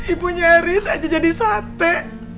ibunya aris aja jadi sate